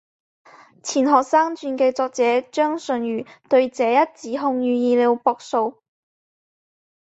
钱学森传记作者张纯如对这一指控予以了驳斥。